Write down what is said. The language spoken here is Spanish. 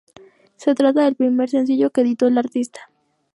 Se trata del primer sencillo que editó el artista.